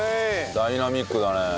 ダイナミックだね。